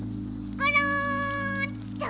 ゴロンっと！